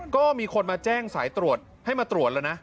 ก็มีคนมาแจ้งสายตรวจให้มาตรวจแล้วนะ